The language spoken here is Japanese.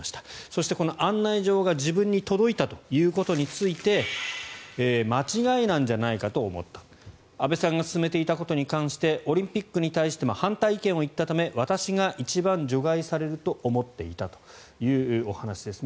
そして、この案内状が自分に届いたということについて間違いなんじゃないかと思った安倍さんが進めていたことに関してオリンピックに対しても反対意見を言ったため私が一番除外されると思っていたというお話です。